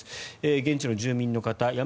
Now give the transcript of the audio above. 現地の住民の方山